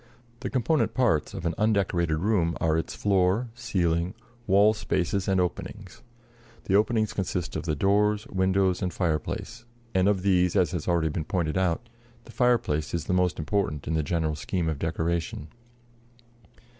The component parts of an undecorated room are its floor, ceiling, wall spaces and openings. The openings consist of the doors, windows and fireplace; and of these, as has already been pointed out, the fireplace is the most important in the general scheme of decoration.